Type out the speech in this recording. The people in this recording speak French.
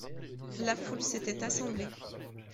La foule s'était assemblée.